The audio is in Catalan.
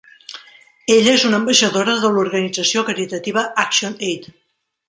Ella és una ambaixadora de l'organització caritativa Action Aid.